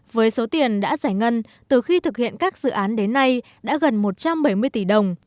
với số tiền đã giải ngân từ khi thực hiện các dự án đến nay đã gần một trăm bảy mươi tỷ đồng